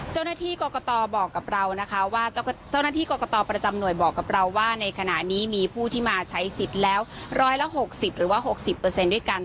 เจ้าหน้าที่กรกตบอกกับเรานะคะว่าเจ้าหน้าที่กรกตประจำหน่วยบอกกับเราว่าในขณะนี้มีผู้ที่มาใช้สิทธิ์แล้ว๑๖๐หรือว่า๖๐ด้วยกัน